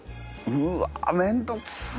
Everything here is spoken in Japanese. うわめんどくさ。